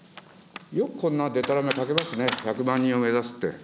よくこんなでたらめ書けますね、１００万人を目指すって。